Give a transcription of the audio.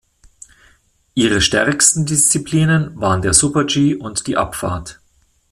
Ihre stärksten Disziplinen waren der Super-G und die Abfahrt.